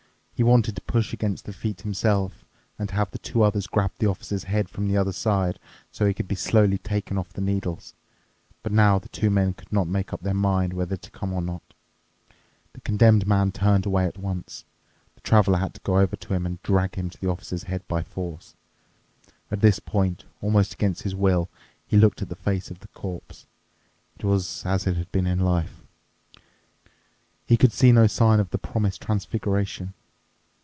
He wanted to push against the feet himself and have the two others grab the Officer's head from the other side, so he could be slowly taken off the needles. But now the two men could not make up their mind whether to come or not. The Condemned Man turned away at once. The Traveler had to go over to him and drag him to the Officer's head by force. At this point, almost against his will, he looked at the face of the corpse. It was as it had been in his life. He could discover no sign of the promised transfiguration.